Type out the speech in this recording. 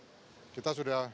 jadi kita sudah